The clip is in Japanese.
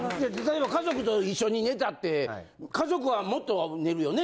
家族と一緒に寝たって家族はもっと寝るよね。